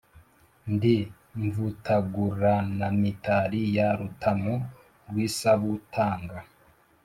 ndi mvutaguranamitali ya rutamu rw'isabutanga,